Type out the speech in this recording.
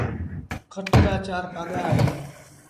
کٽ رآ چآر پآڳآ اهيݩ۔